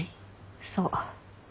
そう。